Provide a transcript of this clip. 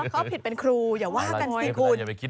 เขาผิดเป็นครูอย่าว่ากันไว้คุณ